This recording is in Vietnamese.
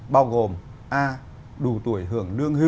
bao gồm a đủ tuổi hưởng lương hiệu